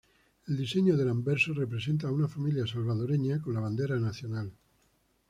El diseño del anverso representa a una familia salvadoreña con la bandera nacional.